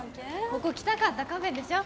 ここ来たかったカフェでしょ？